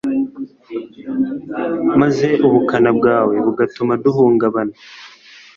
maze ubukana bwawe bugatuma duhungabana